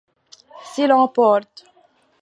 S'il en porte.